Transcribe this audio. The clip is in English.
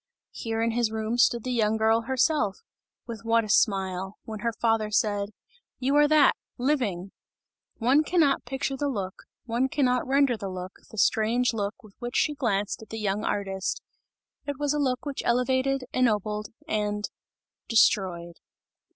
Here in his room stood the young girl herself with what a smile when her father said: "You are that, living!" One cannot picture the look, one cannot render the look, the strange look with which she glanced at the young artist; it was a look which elevated, ennobled and destroyed.